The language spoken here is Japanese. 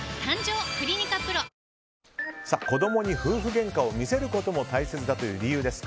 子供に夫婦げんかを見せることも大切だという理由です。